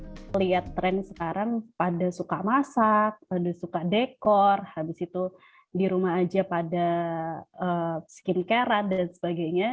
kita lihat tren sekarang pada suka masak pada suka dekor habis itu di rumah aja pada skincare dan sebagainya